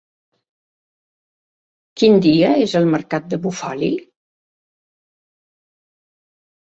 Quin dia és el mercat de Bufali?